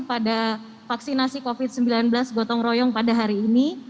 pada vaksinasi covid sembilan belas gotong royong pada hari ini